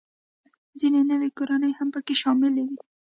ځینې نوې کورنۍ هم پکې شاملې وې